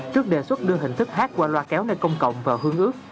trước đề xuất đưa hình thức hát qua loa kéo nơi công cộng vào hương ước